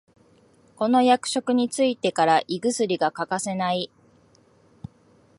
この役職についてから胃薬が欠かせない